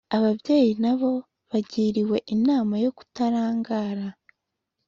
Ababyeyi na bo bagiriwe inama yo kutarangara